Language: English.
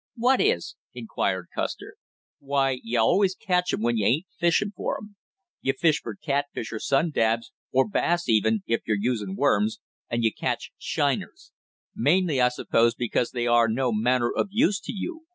"What is?" inquired Custer. "Why, you always catch 'em when you ain't fishing for 'em. You fish for catfish or sun dabs, or bass even, if you're using worms, and you catch shiners; mainly, I suppose, because they are no manner of use to you.